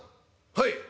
「はい」。